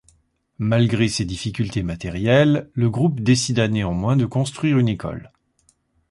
Malgré ses difficultés matérielles, le groupe décida néanmoins de construire une école.